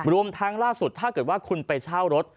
รวมทั้งล่าสุดถ้าเกิดว่าคุณไปเช่ารถ